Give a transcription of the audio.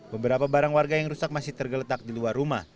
beberapa barang warga yang rusak masih tergeletak di luar rumah